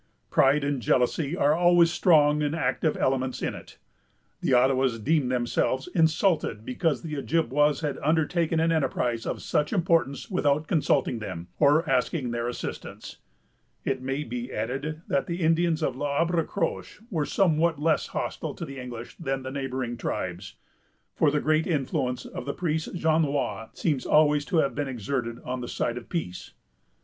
Pride and jealousy are always strong and active elements in it. The Ottawas deemed themselves insulted because the Ojibwas had undertaken an enterprise of such importance without consulting them, or asking their assistance. It may be added, that the Indians of L'Arbre Croche were somewhat less hostile to the English than the neighboring tribes; for the great influence of the priest Jonois seems always to have been exerted on the side of peace.